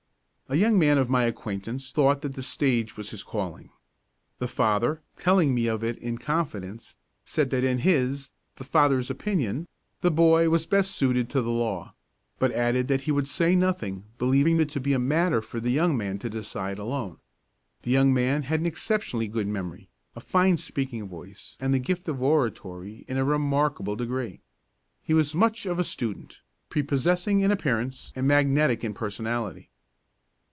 A young man of my acquaintance thought that the stage was his calling. The father, telling me of it in confidence, said that in his, the father's opinion, the boy was best suited to the law, but added that he would say nothing, believing it to be a matter for the young man to decide alone. The young man had an exceptionally good memory, a fine speaking voice and the gift of oratory in a remarkable degree. He was much of a student, prepossessing in appearance and magnetic in personality.